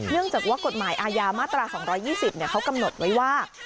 จากว่ากฎหมายอาญามาตรา๒๒๐เขากำหนดไว้ว่า